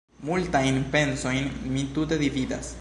Multajn pensojn mi tute dividas.